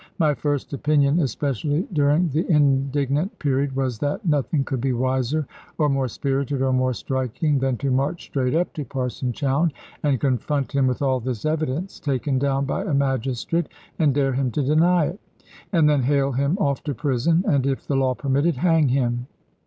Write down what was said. My first opinion, especially during the indignant period, was that nothing could be wiser, or more spirited, or more striking, than to march straight up to Parson Chowne and confront him with all this evidence, taken down by a magistrate, and dare him to deny it; and then hale him off to prison, and (if the law permitted) hang him.